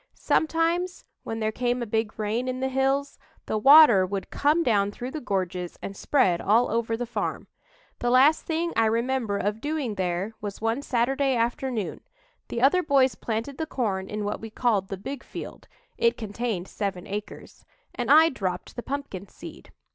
Sometimes, when there came a big rain in the hills, the water would come down through the gorges and spread all over the farm. The last thing I remember of doing there was one Saturday afternoon; the other boys planted the corn in what we called the big field it contained seven acres and I dropped the pumpkin seed.